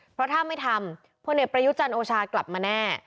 เพราะถ้าไม่ทำพลเอกประยุจันทร์โอชากลับมาแน่